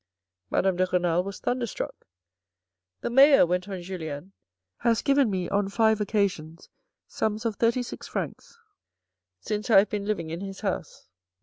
Madame de Renal was thunderstruck. " The Mayor," went on Julien, " has given me on five occasions sums of thirty six francs since I have been living in his house.